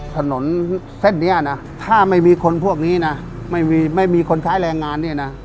ถนนเส้นนี้ถ้าไม่มีคนพวกนี้ไม่มีคนใช้แรงงาน